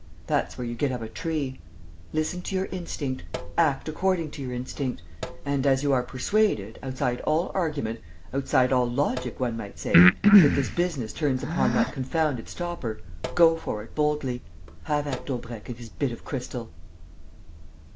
That's where you get up a tree. Listen to your instinct. Act according to your instinct. And as you are persuaded, outside all argument, outside all logic, one might say, that this business turns upon that confounded stopper, go for it boldly. Have at Daubrecq and his bit of crystal!"